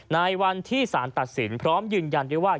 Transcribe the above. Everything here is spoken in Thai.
ในวันที่สารตัดสินพร้อมยืนยันด้วยว่า